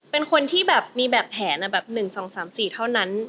เป็นคนที่แบบมีแบบแผนแบบ๑๒๓๔เท่านั้น